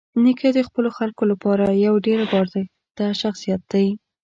نیکه د خپلو خلکو لپاره یوه ډېره باارزښته شخصيت دی.